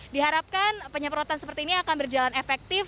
diharapkan penyemprotan seperti ini akan berjalan efektif